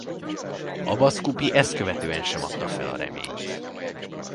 Abaz Kupi ezt követően sem adta fel a reményt.